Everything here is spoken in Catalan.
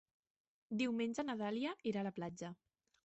Diumenge na Dàlia irà a la platja.